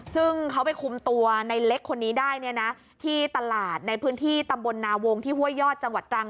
ซึ่งเขาไปคุมตัวในเล็กคนนี้ได้เนี่ยนะที่ตลาดในพื้นที่ตำบลนาวงที่ห้วยยอดจังหวัดตรัง